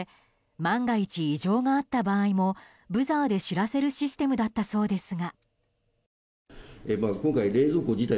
万が一異常があった場合もブザーで知らせるシステムだったそうですが。